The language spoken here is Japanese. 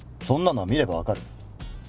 そんなのは見れば分かる。